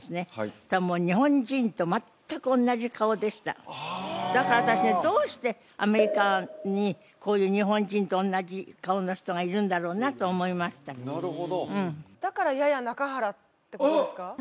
そしたらもう日本人と全く同じ顔でしただから私ねどうしてアメリカにこういう日本人と同じ顔の人がいるんだろうなと思いましただからヤヤナカハラってことですか？